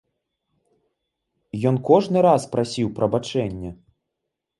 Ён кожны раз прасіў прабачэння.